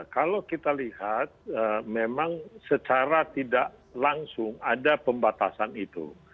kalau kita lihat memang secara tidak langsung ada pembatasan itu